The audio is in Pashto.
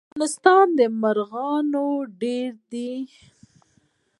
د افغانستان مرغان ډیر دي